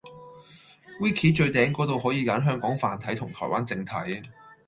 Wiki 最頂果度可以揀香港繁體同台灣正體